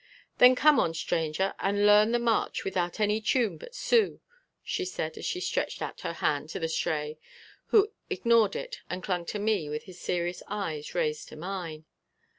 "Then come on, Stranger, and learn the march without any tune but Sue," she said as she stretched out her hand to the Stray, who ignored it and clung to me with his serious eyes raised to mine.